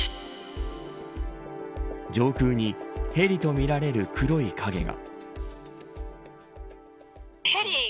上空にヘリとみられる黒い影が。